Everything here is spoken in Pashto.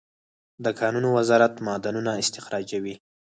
د کانونو وزارت معدنونه استخراجوي